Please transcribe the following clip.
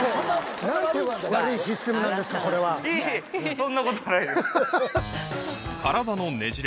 そんなことないです。